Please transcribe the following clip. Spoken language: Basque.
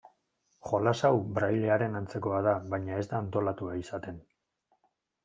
Jolas hau braillearen antzekoa da, baina ez da antolatua izaten.